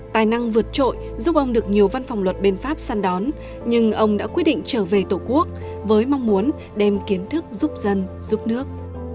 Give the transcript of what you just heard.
tài năng vượt trội giúp ông được nhiều văn phòng luật bên pháp săn đón nhưng ông đã quyết định trở về tổ quốc với mong muốn đem kiến thức giúp dân giúp nước